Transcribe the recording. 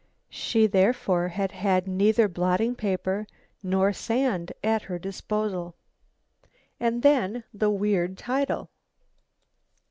She therefore had had neither blotting paper nor sand at her disposal. And then the weird title!